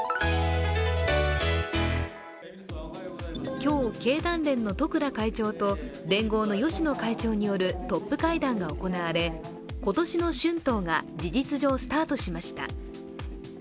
今日経団連の十倉会長と連合の芳野会長によるトップ会談が行われ、今年の春闘が事実上スタートしました。